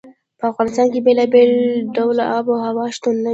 په افغانستان کې بېلابېل ډوله آب وهوا شتون لري.